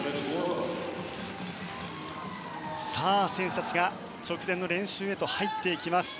さあ、選手たちが直前の練習へと入っていきます。